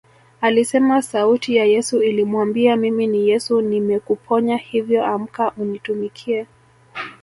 Alisema sauti ya Yesu ilimwambia Mimi ni Yesu nimekuponya hivyo amka unitumikie